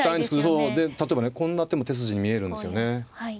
そうで例えばねこんな手も手筋に見えるんですよね。